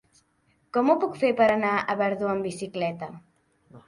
Com ho puc fer per anar a Verdú amb bicicleta?